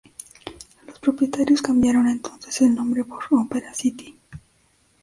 Los propietarios cambiaron entonces el nombre por "Ópera Citi".